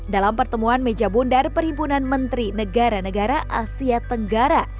dalam pertemuan meja bundar perhimpunan menteri negara negara asia tenggara